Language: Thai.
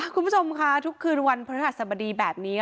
คุณผู้ชมค่ะทุกคืนวันพระหัสบดีแบบนี้